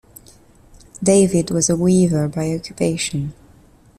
David was a weaver by occupation.